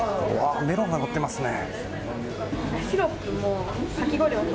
メロンがのっていますね。